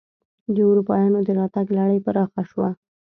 د اروپایانو دراتګ لړۍ پراخه شوه.